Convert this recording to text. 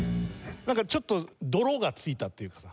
なんかちょっと泥がついたっていうかさ